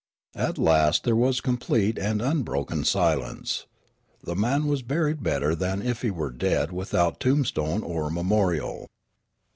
At last there was complete and un broken silence. The man was buried better than if he were dead without tombstone or memorial.